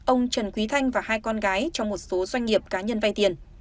ông trần quý thành và hai con gái trong một số doanh nghiệp cá nhân vai tiền